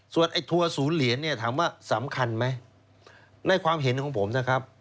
ไอ้ทัวร์ศูนย์เหรียญเนี่ยถามว่าสำคัญไหมในความเห็นของผมนะครับ